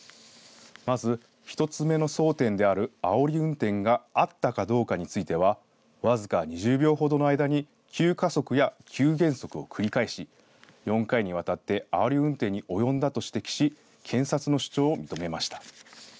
まず１つ目の争点であるあおり運転があったかどうかについては僅か２０秒ほどの間に急加速や急減速を繰り返し４回にわたって、あおり運転に及んだと指摘し検察の主張を認めました。